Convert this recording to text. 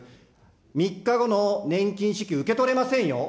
３日後の年金支給、受け取れませんよ。